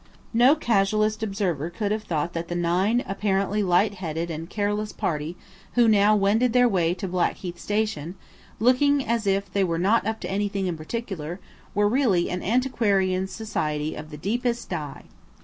THE STATIONMASTER AND PORTER LOOKED RESPECTFULLY AT US. No casuist observer could have thought that the nine apparently light headed and careless party who now wended their way to Blackheath Station, looking as if they were not up to anything in particular, were really an Antiquarian Society of the deepest dye.